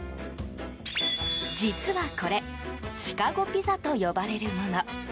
実はこれシカゴピザと呼ばれるもの。